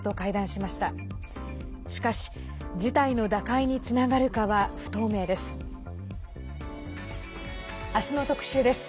しかし事態の打開につながるかは不透明です。